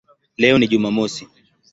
Leo ni Jumamosi".